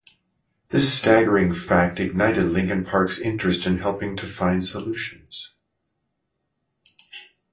This staggering fact ignited Linkin Park's interest in helping to find solutions.